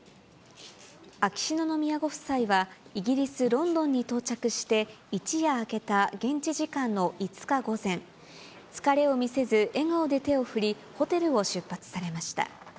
秋篠宮ご夫妻はイギリス・ロンドンに到着して、一夜明けた現地時間の５日午前、疲れを見せず笑顔で手を振り、ホテルを出発されました。